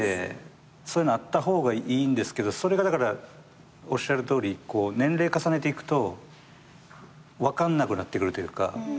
そういうのあった方がいいんですけどそれがおっしゃるとおり年齢重ねていくと分かんなくなってくるというか。